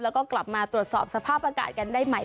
แล้วก็กลับมาตรวจสอบสภาพอากาศกันได้ใหม่